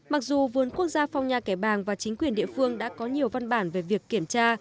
mặc dù vườn quốc gia phong nha kẻ bàng và chính quyền địa phương đã có nhiều văn bản về việc kiểm tra